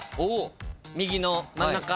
右の真ん中。